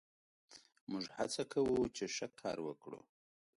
موږ هڅه کوو، چې ښه کار وکړو.